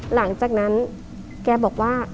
หลังจากนั้นแกบอกว่า